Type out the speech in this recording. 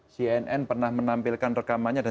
cnn pernah menampilkan rekamannya